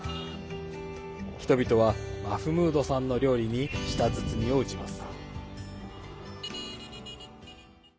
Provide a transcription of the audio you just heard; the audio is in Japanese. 人々はマフムードさんの料理に舌鼓を打ちます。